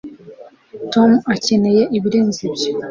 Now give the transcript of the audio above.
tom akeneye ibirenze ibyo